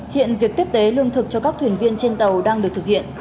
hiện việc tiếp tế lương thực cho các thuyền viên trên tàu đang được thực hiện